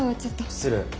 失礼。